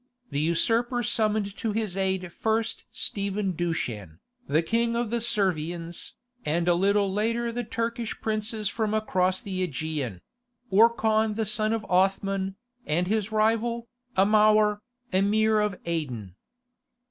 The usurper summoned to his aid first Stephen Dushan, the king of the Servians, and a little later the Turkish princes from across the Aegean—Orkhan the son of Othman, and his rival, Amour, Emir of Aidin.